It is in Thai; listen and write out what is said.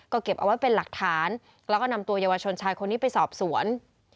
ก็เก็บเอาไว้เป็นหลักฐานแล้วก็นำตัวเยาวชนชายคนนี้ไปสอบสวน